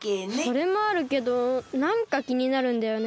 それもあるけどなんかきになるんだよね。